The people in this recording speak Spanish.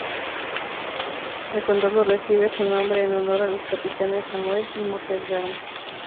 El condado recibe su nombre en honor a los capitanes Samuel y Moses Grant.